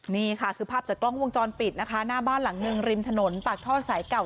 นี่ค่ะคือภาพจากกล้องวงจรปิดนะคะหน้าบ้านหลังหนึ่งริมถนนปากท่อสายเก่า